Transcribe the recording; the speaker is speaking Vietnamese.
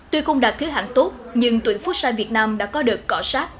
tuy không đạt thứ hạng tốt nhưng tuyển phút săn việt nam đã có đợt cỏ sát